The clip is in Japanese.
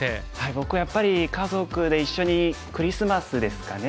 僕はやっぱり家族で一緒にクリスマスですかね。